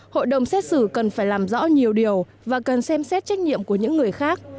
hội đồng xét xử cần phải làm rõ nhiều điều và cần xem xét trách nhiệm của những người khác